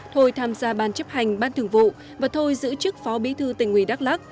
thôi tham gia ban chấp hành ban thường vụ và thôi giữ chức phó bí thư tỉnh ủy đắk lắc